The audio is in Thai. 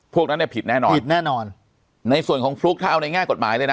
พวกนั้นเนี่ยผิดแน่นอนผิดแน่นอนในส่วนของฟลุ๊กถ้าเอาในแง่กฎหมายเลยนะ